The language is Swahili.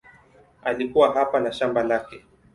Alikuwa hapa na shamba lake.